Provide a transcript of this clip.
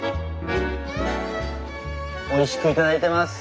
おいしく頂いてます。